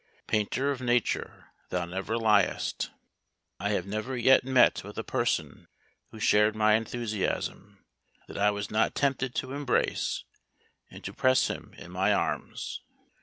Painter of nature, thou never liest! "I have never yet met with a person who shared my enthusiasm, that I was not tempted to embrace, and to press him in my arms!